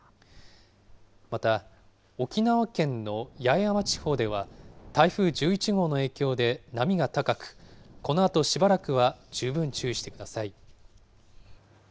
また、沖縄県の八重山地方では、台風１１号の影響で波が高く、このあとしばらくは十分注意してください。